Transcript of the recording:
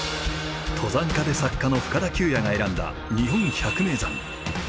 登山家で作家の深田久弥が選んだ日本百名山。